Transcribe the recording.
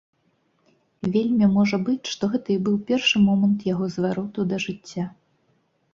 Вельмі можа быць, што гэта і быў першы момант яго звароту да жыцця.